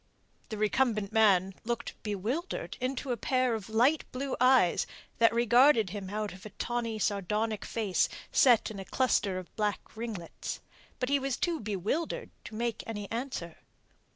The recumbent man looked up bewildered into a pair of light blue eyes that regarded him out of a tawny, sardonic face set in a cluster of black ringlets. But he was too bewildered to make any answer.